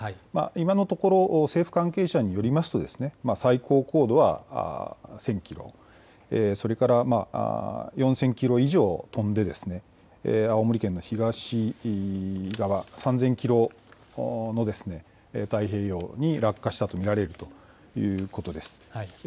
今のところ、政府関係者によりますと、最高高度は１０００キロ、それから４０００キロ以上飛んで、青森県の東側３０００キロの太平洋に落下したと見られるということです。